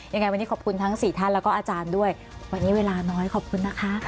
ยังไงวันนี้ขอบคุณทั้งสี่ท่านแล้วก็อาจารย์ด้วยวันนี้เวลาน้อยขอบคุณนะคะ